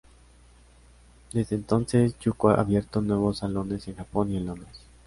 Desde entonces, Yuko ha abierto nuevos salones en Japón y en Londres